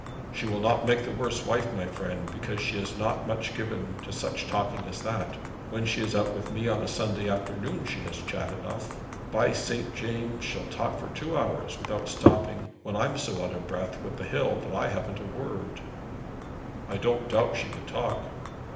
'She will not make the worse wife, my friend, because she is not much given to such talking as that. When she is out with me on a Sunday afternoon she has chat enough. By St. James, she'll talk for two hours without stopping when I'm so out of breath with the hill that I haven't a word.' 'I don't doubt she can talk.'